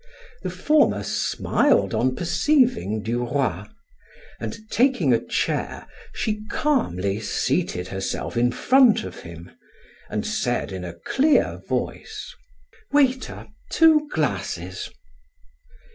The former smiled on perceiving Duroy, and taking a chair she calmly seated herself in front of him, and said in a clear voice: "Waiter, two glasses."